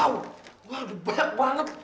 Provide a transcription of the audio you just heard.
wah banyak banget